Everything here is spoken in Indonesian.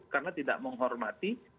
karena tidak menghormati